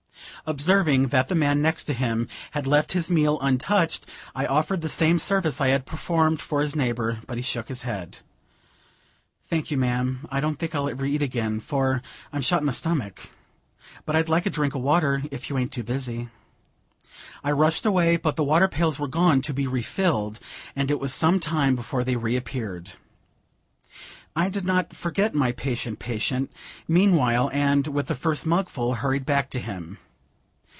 Observing that the man next him had left his meal untouched, I offered the same service I had performed for his neighbor, but he shook his head. "Thank you, ma'am; I don't think I'll ever eat again, for I'm shot in the stomach. But I'd like a drink of water, if you aint too busy." I rushed away, but the water pails were gone to be refilled, and it was some time before they reappeared. I did not forget my patient patient, meanwhile, and, with the first mugful, hurried back to him.